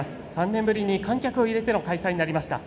３年ぶりに観客を入れての開催になりました。